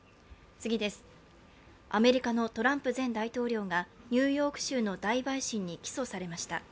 アメリカのトランプ前大統領がニューヨーク州の大陪審に起訴されました。